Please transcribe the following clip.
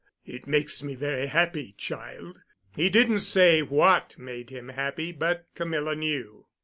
It makes me very happy, child." He didn't say what made him happy, but Camilla knew.